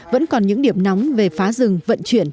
vẫn còn những điểm nóng về phá rừng vận chuyển